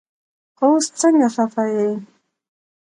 هوس سنګه خفه يي